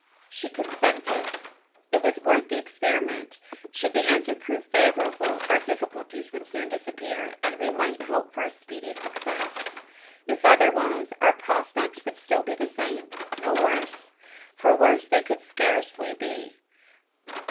She consented. It was worth the experiment. Should the answer prove favourable, our difficulties would soon disappear, and we might hope for a speedy success. If otherwise, our prospects would still be the same no worse: for worse they could scarcely be.